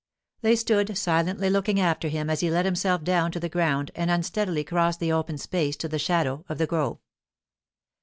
They stood silently looking after him as he let himself down to the ground and unsteadily crossed the open space to the shadow of the grove.